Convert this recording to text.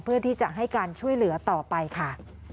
เพื่อที่จะให้การช่วยเหลือต่อไปค่ะ